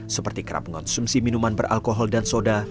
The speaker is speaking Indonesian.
seperti kerap mengonsumsi minuman beralkohol dan soda